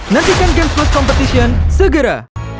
nantikan gameplus competition segera